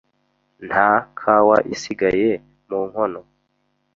Nta kawa isigaye mu nkono.